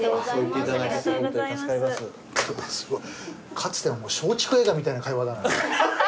かつての松竹映画みたいな会話だな。